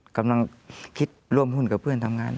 กำลังคิดร่วมหุ้นกับเพื่อนทำงาน